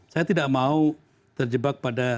saya tidak mau terjebak pada